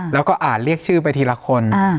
แล้วก็อ่านเรียกชื่อไปทีละคน